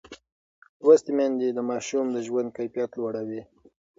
لوستې میندې د ماشوم د ژوند کیفیت لوړوي.